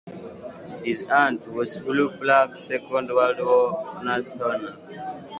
His aunt was blue-plaqued Second World War nurse Hannah Billig.